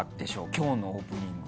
今日のオープニング。